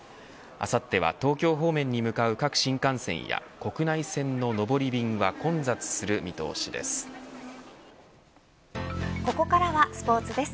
あさっては東京方面に向かう各新幹線や国内線の上り便は混雑する見通しです。